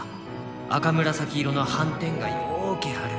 赤紫色の斑点がようけある。